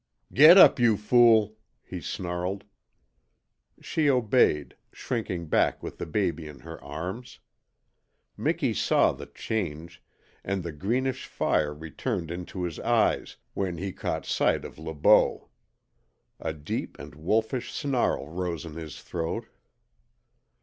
"Get up, you fool!" he snarled. She obeyed, shrinking back with the baby in her arms. Miki saw the change, and the greenish fire returned into his eyes when he caught sight of Le Beau. A deep and wolfish snarl rose in his throat.